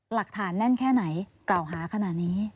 หลักฐานแน่นแค่ไหนกล่าวหาขนาดนี้